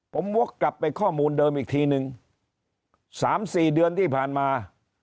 ผมวกกลับไปข้อมูลเดิมอีกทีนึง๓๔เดือนที่ผ่านมา